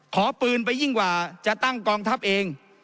ขอปืนไปยิ่งกว่าจะตั้งกองทัพเอง